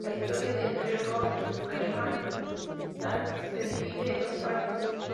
La historia de The Lord of Elemental se divide en dos partes.